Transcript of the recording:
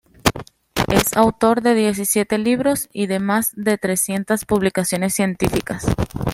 Es autor de diecisiete libros y de más de trescientas publicaciones científicas.